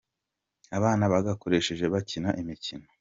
abana bagakoresheje bakina imikino